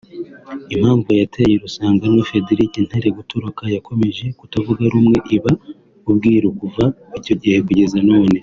Impamvu yateye Rusanganwa Fredric Ntare gutoroka yakomeje kutavuga rumwe iba ubwiru kuva icyo gihe kugeza none